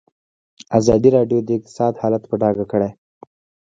ازادي راډیو د اقتصاد حالت په ډاګه کړی.